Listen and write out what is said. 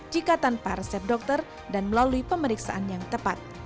jika tanpa resep dokter dan melalui pemeriksaan yang tepat